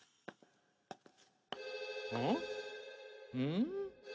ん？